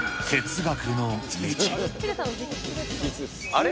あれ？